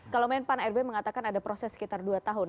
kalau men pak n r b mengatakan ada proses sekitar dua tahun